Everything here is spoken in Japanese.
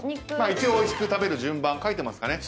一応おいしく食べる順番書いてますかね。